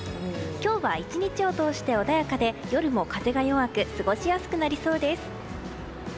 今日は１日を通して穏やかで夜も風が弱く過ごしやすくなりそうです。